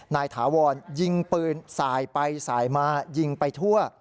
ถาวรยิงปืนสายไปสายมายิงไปทั่ว